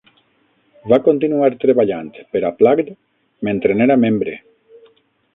Va continuar treballant per a Plugged mentre n'era membre.